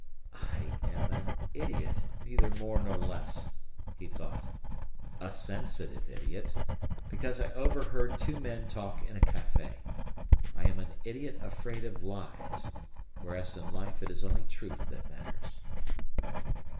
"I am an idiot, neither more nor less," he thought. "A sensitive idiot. Because I overheard two men talk in a café... I am an idiot afraid of lies whereas in life it is only truth that matters."